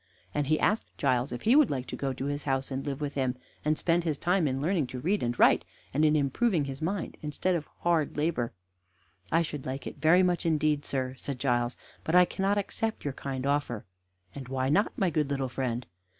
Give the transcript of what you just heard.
And he asked Giles if he would like to go to his house and live with him, and spend his time in learning to read and write, and in improving his mind, instead of hard labor. "I should like it very much indeed, sir," said Giles, "but I cannot accept your kind offer." "And why not, my good little friend?"